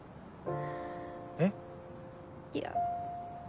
えっ？いや。